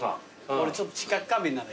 俺ちょっと知覚過敏なんだ。